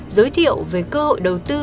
giới thiệu về cơ hội đầu tư